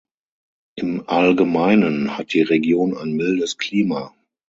Im Allgemeinen hat die Region ein mildes Klima.